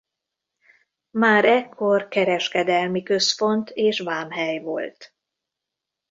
Már ekkor kereskedelmi központ és vámhely volt.